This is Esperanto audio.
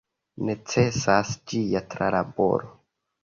Necesas ĝia tralaboro.